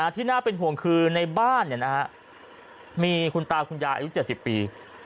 ที่น่าเป็นห่วงคือในบ้านมีคุณตาคุณยายอายุ๗๐ปี